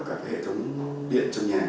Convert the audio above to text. các hệ thống điện trong nhà